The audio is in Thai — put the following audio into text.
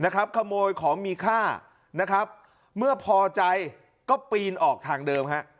ขโมยของมีค่าพอใจก็ปีนออกทางเดิม